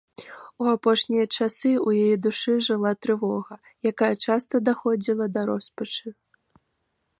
У апошнія часы ў яе душы жыла трывога, якая часта даходзіла да роспачы.